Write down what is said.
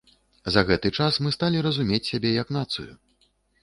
За гэты час мы сталі разумець сябе як нацыю.